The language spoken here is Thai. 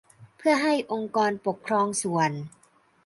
เพื่อให้องค์กรปกครองส่วน